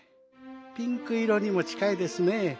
ピンクいろにもちかいですね。